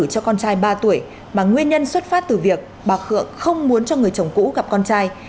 cho con trai ba tuổi mà nguyên nhân xuất phát từ việc bà khương không muốn cho người chồng cũ gặp con trai